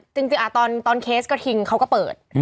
จริงตอนเคสกระทิงเขาก็เปิด